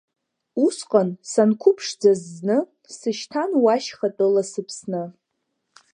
Усҟан, санқәыԥшӡаз зны, сышьҭан уа шьхатәыла сыԥсны.